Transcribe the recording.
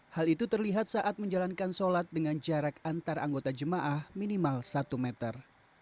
hal itu terlihat saat menjalankan sholat dengan jarak antar anggota jemaah minimal satu meter